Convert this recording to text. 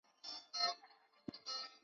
黄花红砂为柽柳科红砂属下的一个种。